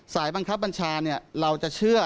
สายบังคับบัญชาเนี่ยเราจะเชื่อ